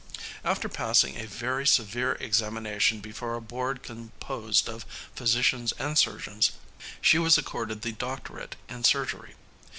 After passing a very severe examination before a board composed of physicians and surgeons, she was accorded the doctorate in surgery.